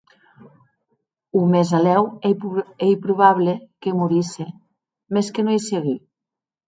O mèsalèu ei probable que morisse, mès que non ei segur.